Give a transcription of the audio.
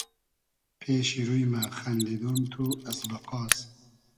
پېشی روی مۂ خئندیدۉن تو از بئقاس